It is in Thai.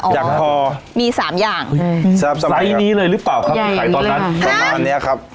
จากคอมีสามอย่างสายนี้เลยหรือเปล่าครับใครตอนนั้นต่อมาอันนี้ครับ